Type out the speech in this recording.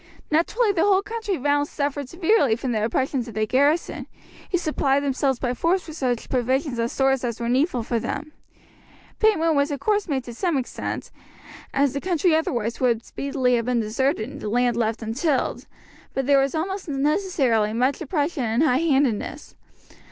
Naturally the whole country round suffered severely from the oppressions of the garrison, who supplied themselves by force with such provisions and stores as were needful for them. Payment was of course made to some extent, as the country otherwise would speedily have been deserted and the land left untilled; but there was almost necessarily much oppression and high handedness.